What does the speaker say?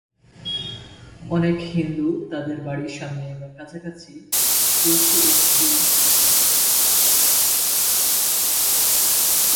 অনেক হিন্দু তাদের বাড়ির সামনে বা কাছাকাছি তুলসী উদ্ভিদ রোপণ করে।